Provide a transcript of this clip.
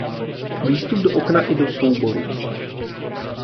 Výstup do okna i do souborů.